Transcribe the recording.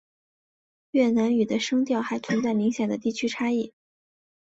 越南语的声调还存在明显的地区差异。